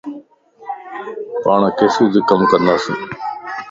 پاڻ ڪيستائي ڪم ڪنداسين